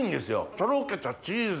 とろけたチーズ